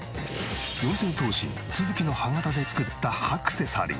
四千頭身都築の歯型で作った歯クセサリー。